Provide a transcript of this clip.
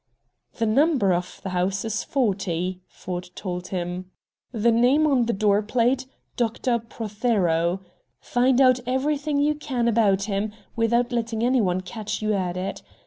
"The number of the house is forty," Ford told him; "the name on the door plate, Dr. Prothero. Find out everything you can about him without letting any one catch you at it.